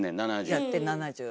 やって７０。